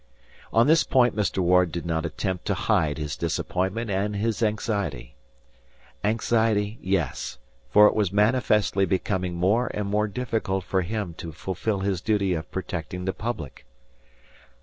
On this point Mr. Ward did not attempt to hide his disappointment and his anxiety. Anxiety, yes, for it was manifestly becoming more and more difficult for him to fulfill his duty of protecting the public.